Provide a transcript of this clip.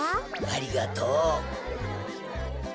ありがとう。